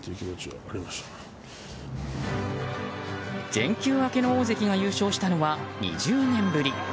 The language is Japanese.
全休明けの大関が優勝したのは２０年ぶり。